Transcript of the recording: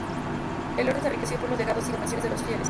La orden se enriqueció por los legados y donaciones de los fieles.